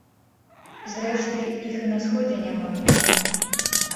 Зрэшты, іх і на сходзе няма.